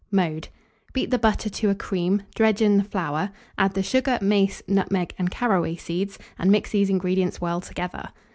Mode. Beat the butter to a cream; dredge in the flour; add the sugar, mace, nutmeg, and caraway seeds, and mix these ingredients well together.